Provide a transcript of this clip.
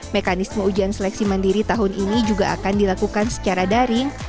mekanisme ujian seleksi mandiri tahun ini juga akan dilakukan secara daring